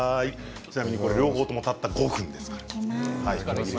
ちなみに両方ともたった５分ですから。